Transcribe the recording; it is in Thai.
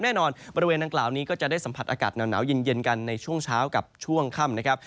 บริเวณดังกล่าวนี้ก็จะได้สัมผัสอากาศหนาวเย็นกันในช่วงเช้ากับช่วงค่ำนะครับ